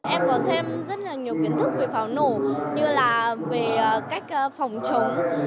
em có thêm rất là nhiều kiến thức về pháo nổ như là về cách phòng chống